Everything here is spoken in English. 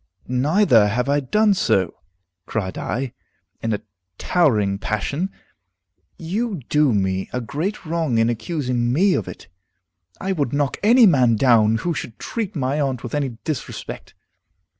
"Neither have I done so," cried I, in a towering passion. "You do me a great wrong in accusing me of it. I would knock any man down who should treat my aunt with any disrespect.